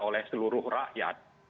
oleh seluruh rakyat